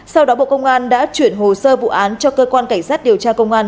sau đó bộ công an đã chuyển hồ sơ vụ án cho cơ quan cảnh sát điều tra công an